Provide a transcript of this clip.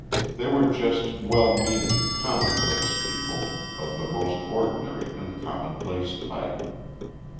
They were just well meaning, commonplace people of the most ordinary and commonplace type.